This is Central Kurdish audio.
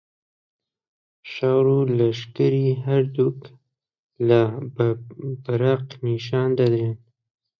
شەڕ و لەشکری هەردووک لا بە بەرق نیشان دەدرێن